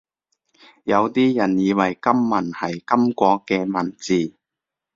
有啲人以為金文係金國嘅文字